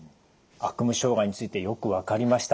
悪夢障害についてよく分かりました。